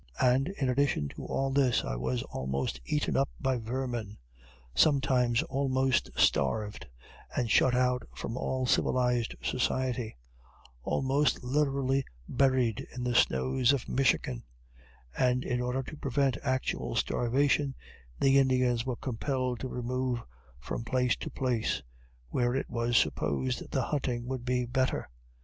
And, in addition to all this, I was almost eaten up by vermin; sometimes almost starved; and shut out from all civilized society; almost literally buried in the snows of Michigan; and in order to prevent actual starvation, the Indians were compelled to remove from place to place, where it was supposed the hunting would be better.